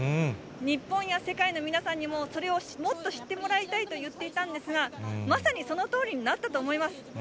日本や世界の皆さんにもそれをもっと知ってもらいたいと言っていたんですが、まさにそのとおりになったと思います。